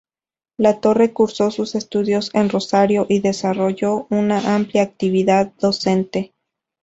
Latorre cursó sus estudios en Rosario y desarrolló una amplia actividad docente.